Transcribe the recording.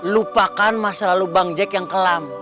lupakan masa lalu bang jack yang kelam